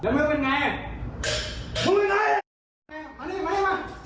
มานี่